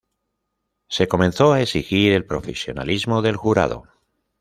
Se comenzó a exigir el profesionalismo del jurado.